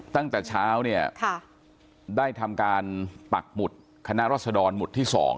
ตั้งแต่เช้าเนี่ยได้ทำการปักหมุดคณะรัศดรหมุดที่๒